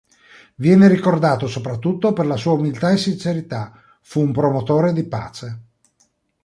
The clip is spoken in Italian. Viene ricordato soprattutto per la sua umiltà e sincerità, fu un promotore di pace.